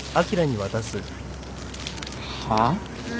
はあ？